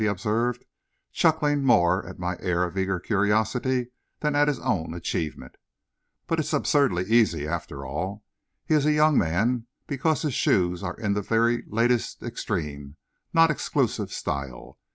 he observed, chuckling more at my air of eager curiosity than at his own achievement. "But it's absurdly easy, after all. He is a young man because his shoes are in the very latest, extreme, not exclusive style.